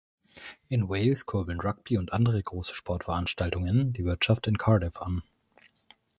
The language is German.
In Wales kurbeln Rugby und andere große Sportveranstaltungen die Wirtschaft in Cardiff an.